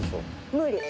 無理。